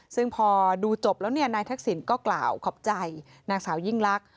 ซึ่งพอดูจบแล้วเนี่ยนายทักศิลป์ก็กล่าวขอบใจนางสายิ่งรัก